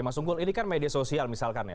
mas unggul ini kan media sosial misalkan ya